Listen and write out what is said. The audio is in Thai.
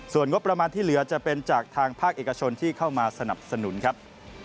ส่วนงบประมาณที่เหลือจะเป็นจากทางภาคเอกชนที่เข้ามาสนับสนุนครับ